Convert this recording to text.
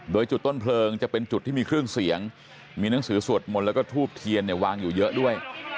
โดยจุดต้นเพลิงจะเป็นจุดที่มีเครื่องเสียงมีหนังสือสวดมนต์แล้วก็ทูบเทียนเนี่ยวางอยู่เยอะด้วย